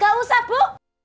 gak usah bu